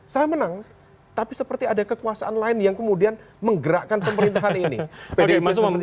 saya menang tapi seperti ada kekuasaan lain yang kemudian menggerakkan pemerintahan ini